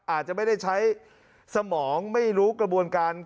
อาจจะไม่ได้ใช้สมองไม่รู้กระบวนการ